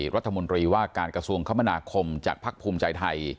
รัฐมนตรีว่าการกระทรวงคมนาคมจากภักดิ์ภูมิใจไทย